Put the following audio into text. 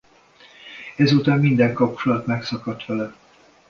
Ezután minden kapcsolat megszakadt vele.